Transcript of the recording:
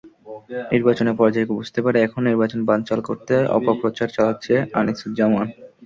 নির্বাচনে পরাজয় বুঝতে পেরে এখন নির্বাচন বানচাল করতে অপপ্রচার চালাচ্ছে আনিছুজ্জামান।